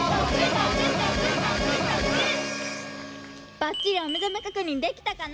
ばっちりおめざめ確認できたかな？